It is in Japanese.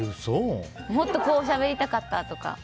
もっとこうしゃべりたかったとか。